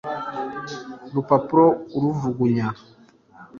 rupapuro urujugunya